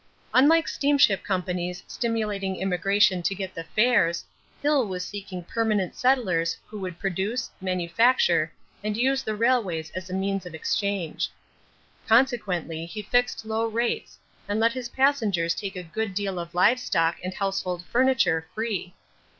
Unlike steamship companies stimulating immigration to get the fares, Hill was seeking permanent settlers who would produce, manufacture, and use the railways as the means of exchange. Consequently he fixed low rates and let his passengers take a good deal of live stock and household furniture free.